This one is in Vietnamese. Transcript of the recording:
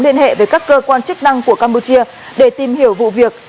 liên hệ với các cơ quan chức năng của campuchia để tìm hiểu vụ việc